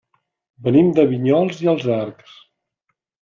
Venim de Vinyols i els Arcs.